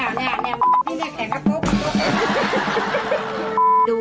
มันไม่ทํวกับหนู